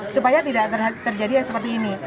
supaya tidak terjadi yang seperti ini